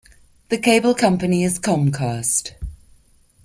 The cable company is Comcast.